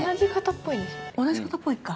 同じ方っぽいか。